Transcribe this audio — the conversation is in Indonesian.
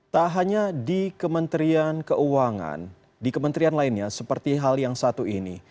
tak hanya di kementerian keuangan di kementerian lainnya seperti hal yang satu ini